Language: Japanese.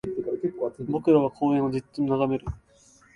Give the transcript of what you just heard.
僕らは公園をじっと眺める